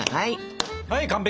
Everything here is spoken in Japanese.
はい完璧！